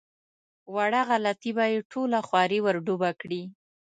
وړه غلطي به یې ټوله خواري ور ډوبه کړي.